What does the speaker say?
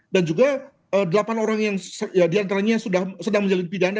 dan juga delapan orang yang diantaranya sudah sedang menjalin pidana